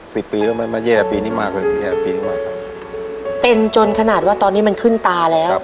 ปีแล้วมันมาแย่ปีนี้มากกว่าแย่ปีมากครับเป็นจนขนาดว่าตอนนี้มันขึ้นตาแล้ว